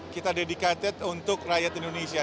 kita dedicated untuk rakyat indonesia